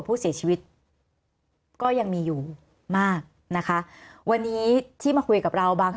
ผู้เสียชีวิตก็ยังมีอยู่มากนะคะวันนี้ที่มาคุยกับเราบาง